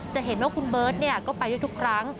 จะเห็นว่าคุณเบิร์ตก็ไปด้วยทุกครั้ง